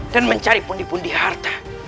mencari pundi pundi harta